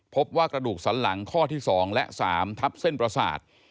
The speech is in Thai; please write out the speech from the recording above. พบว่ากระดูกสันหลังข้อที่๒และ๓ทับเส้นประสาท